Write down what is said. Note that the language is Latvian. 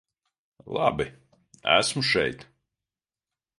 Labi, esmu šeit.